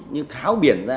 nhưng tháo biển ra